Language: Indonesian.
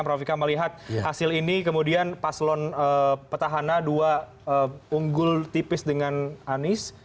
prof vika melihat hasil ini kemudian paslon petahana dua unggul tipis dengan anies